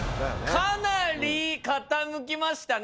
かなり傾きましたね。